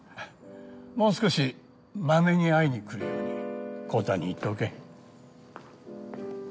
もう少しマメに会いに来るように昂太に言っておけ。